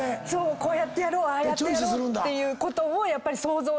こうやってやろうああやってやろうっていうことを。